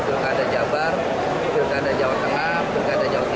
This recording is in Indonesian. pilkada jabar pilkada jawa tengah pilkada jawa timur